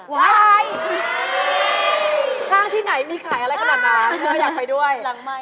ข้างที่ไหนมีขายอะไรขนาดนั้นเธออยากไปด้วย